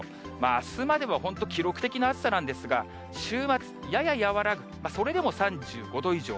あすまでは本当、記録的な暑さなんですが、週末、やや和らぐ、それでも３５度以上。